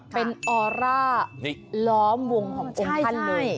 เป็นออร่าล้อมวงขององค์ท่านเลย